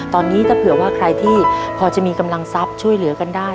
ตอนนี้ถ้าเผื่อว่าใครที่พอจะมีกำลังทรัพย์ช่วยเหลือกันได้